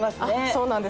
そうなんです。